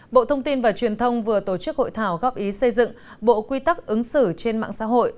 bộ thông tin và truyền thông vừa tổ chức hội thảo góp ý xây dựng bộ quy tắc ứng xử trên mạng xã hội